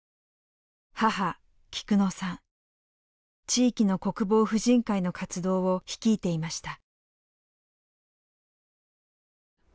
地域の国防婦人会の活動を率いていました。